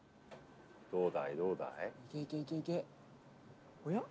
「どうだい？